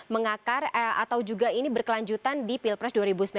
mengakar atau juga ini berkelanjutan di pilpres dua ribu sembilan belas